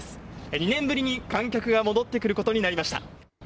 ２年ぶりに観客が戻ってくることになりました。